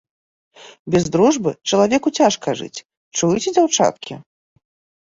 Без дружбы чалавеку цяжка жыць, чуеце, дзяўчаткі?